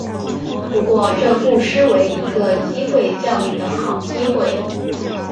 不过这不失为一个机会教育的好机会